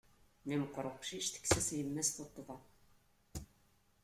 Mi meqqeṛ uqcic, tekkes-as yemma-s tuṭṭḍa.